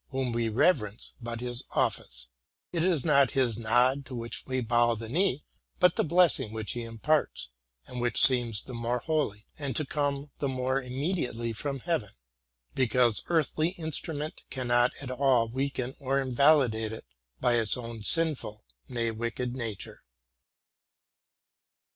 whom we reverence, but his office: it is not his nod to which we bow the knee, but the blessing which he imparts, and which seems the more holy, and to come the more immedi ately from heaven, because the earthly instrument cannot at all weaken or invalidate it by its own sinful, nay, wicked, nature.